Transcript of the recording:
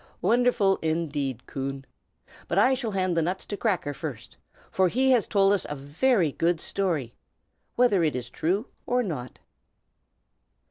"Wonderful indeed, Coon! But I shall hand the nuts to Cracker first, for he has told us a very good story, whether it is true or not."